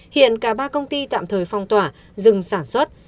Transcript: hiện cả ba công ty tạm thời phong tỏa dừng sản xuất